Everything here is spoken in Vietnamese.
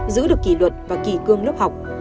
giữ được kỷ luật và kỳ cương lớp học